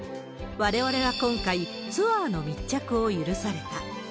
われわれは今回、ツアーの密着を許された。